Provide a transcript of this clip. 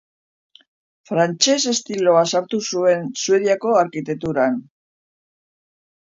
Frantses estiloa sartu zuen Suediako arkitekturan.